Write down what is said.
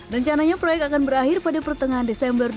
rencananya proyek akan berakhir pada pertengahan desember dua ribu dua puluh